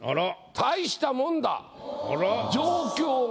大したもんだ。